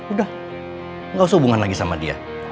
udah gak usah hubungan lagi sama dia